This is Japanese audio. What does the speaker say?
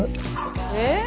えっ？